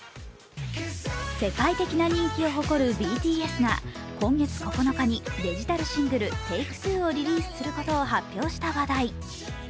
世界的な人気を誇るＢＴＳが今月９日にデジタルシングル「ＴａｋｅＴｗｏ」をリリースすることが発表された話題。